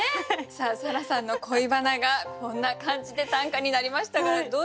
さあ沙羅さんの恋バナがこんな感じで短歌になりましたがどうでした？